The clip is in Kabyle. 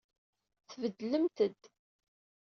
Tbeddlemt-d.